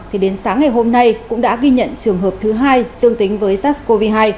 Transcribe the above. thì đến sáng ngày hôm nay cũng đã ghi nhận trường hợp thứ hai dương tính với sars cov hai